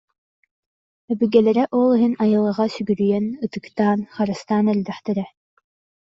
Өбүгэлэрэ ол иһин айылҕаҕа сүгүрүйэн, ытыктаан, харыстаан эрдэхтэрэ